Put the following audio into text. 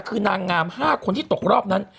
คือนางงาม๕คนที่ตกรอบนั้น